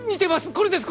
これです